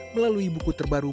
melalui buku terbaru